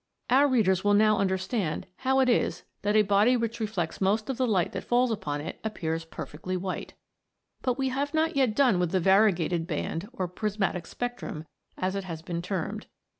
Our readers will now understand THE MAGIC OF THE SUNBEAM. 93 how it is that a body which reflects most of the light that falls upon it appears perfectly white. But we have not yet done with the variegated band, or prismatic spectrum, as it has been termed.